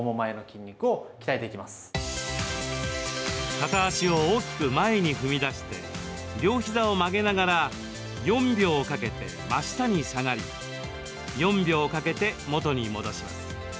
片脚を大きく前に踏み出して両膝を曲げながら４秒かけて真下に下がり４秒かけて元に戻します。